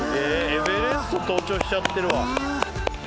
エベレスト登頂しちゃってるわ。